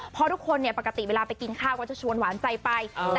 เพราะทุกคนเนี่ยปกติเวลาไปกินข้าวก็จะชวนหวานใจไป